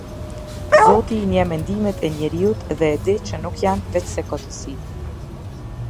Zoti i njeh mendimet e njeriut dhe e di që nuk janë veçse kotësi.